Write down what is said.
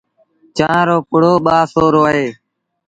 چآنه رو پڙو ٻآسورو اهي۔